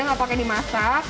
nggak pakai dimasak